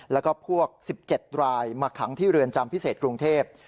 แล้วก็พวก๑๗รายมาขังที่เรือนจำพิเศษกรุงเทพ